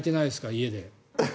家で。